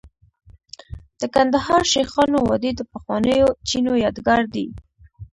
د کندهار شیخانو وادي د پخوانیو چینو یادګار دی